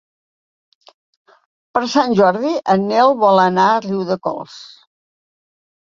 Per Sant Jordi en Nel vol anar a Riudecols.